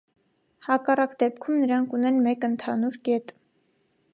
Հակառակ դեպքում նրանք ունեն մեկ ընդհանուր կետ։